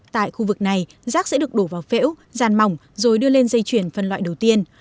tại khu vực này rác sẽ được đổ vào phễu giàn mỏng rồi đưa lên dây chuyển phân loại đầu tiên